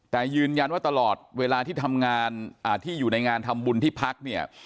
แต่ยืนยันว่าตลอดเวลาที่ทำงานที่อยู่ในงานทำบุญที่พักเนี่ย